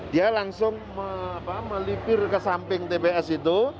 dia langsung melipir ke samping tps itu